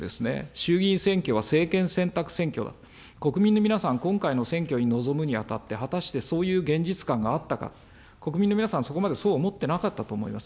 衆議院選挙は政権選択選挙だと、国民の皆さん、今回の選挙に臨むにあたって、果たしてそういう現実感があったか、国民の皆さん、そこまでそう思ってなかったと思います。